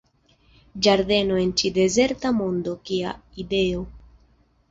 Ĝardeno en ĉi dezerta mondo, kia ideo.